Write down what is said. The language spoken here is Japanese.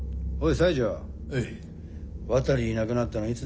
渡いなくなったのいつだ？